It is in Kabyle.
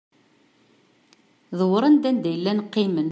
Dewren-d anda i llan qqimen.